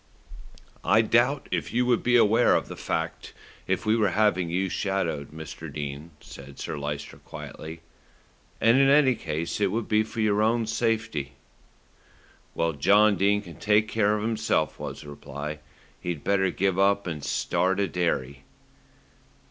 "I doubt if you would be aware of the fact if we were having you shadowed, Mr. Dene," said Sir Lyster quietly, "and in any case it would be for your own safety." "When John Dene can't take care of himself," was the reply, "he'd better give up and start a dairy."